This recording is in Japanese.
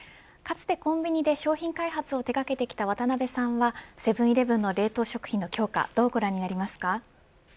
かつてコンビニで商品開発を手掛けてきた渡辺さんはセブン‐イレブンの冷凍食品の強化、どうご覧になりますか。